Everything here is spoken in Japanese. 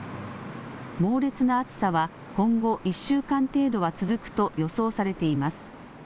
猛烈な暑さは今後１週間程度は続くと予想されています。